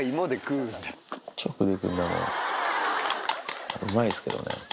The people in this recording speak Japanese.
うまいっすけどね。